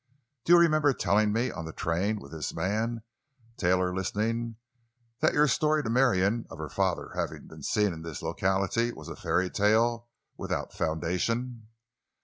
"Do you remember telling me—on the train, with this man, Taylor, listening—that your story to Marion, of her father having been seen in this locality, was a fairy tale—without foundation?"